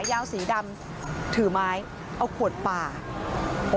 ขายาวสีดำถือไม้เอาขวดปลาเกินถึงแล้ว